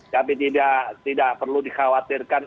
tapi tidak perlu dikhawatirkan